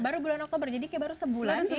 baru bulan oktober jadi kayak baru sebulan